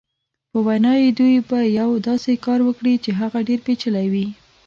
په وینا یې دوی به یو داسې کار وکړي چې هغه ډېر پېچلی وي.